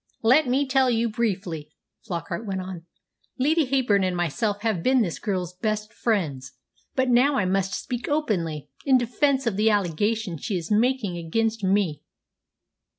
"Let me tell you briefly," Flockart went on. "Lady Heyburn and myself have been this girl's best friends; but now I must speak openly, in defence of the allegation she is making against me."